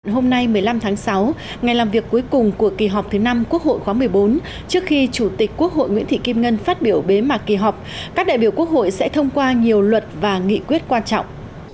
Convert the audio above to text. hôm nay một mươi năm tháng sáu ngày làm việc cuối cùng của kỳ họp thứ năm quốc hội khóa một mươi bốn trước khi chủ tịch quốc hội nguyễn thị kim ngân phát biểu bế mạc kỳ họp các đại biểu quốc hội sẽ thông qua nhiều luật và nghị quyết quan trọng